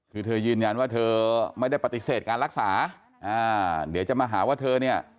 คือเธอยืนยันว่าเธอไม่ได้ปฏิเสธการรักษาอ่าเดี๋ยวจะมาหาว่าเธอเนี่ย